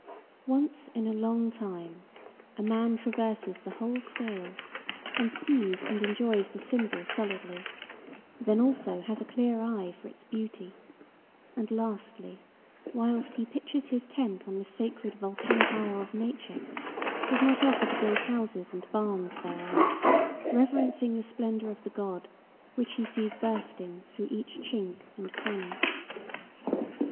Once in a long time, a man traverses the whole scale, and sees and enjoys the symbol solidly, then also has a clear eye for its beauty, and lastly, whilst he pitches his tent on this sacred volcanic isle of nature, does not offer to build houses and barns thereon,—reverencing the splendor of the God which he sees bursting through each chink and cranny.